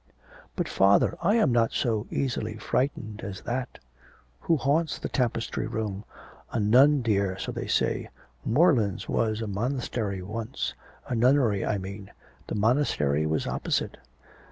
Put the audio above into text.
'But, father, I am not so easily frightened as that.' 'Who haunts the tapestry room?' 'A nun, dear, so they say; Morelands was a monastery once a nunnery, I mean. The monastery was opposite.'